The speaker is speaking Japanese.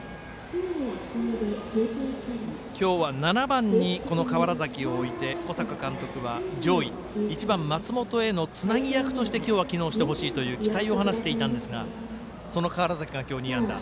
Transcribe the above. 今日は７番に川原崎を置いて小坂監督は上位１番、松本へのつなぎ役として今日は機能してほしいという期待を話していたんですがその川原崎が今日２安打。